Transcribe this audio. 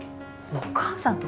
お母さん。